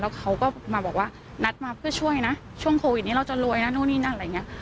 เขาก็มาบอกว่านัดมาเพื่อช่วยนะช่วงโควิดนี้เราจะรวยนะนู่นนี่นั่นอะไรอย่างนี้